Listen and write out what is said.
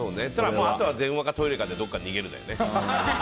あとは電話かトイレでどこかに逃げるかだよね。